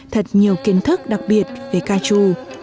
thật nhiều kiến thức đặc biệt về ca trù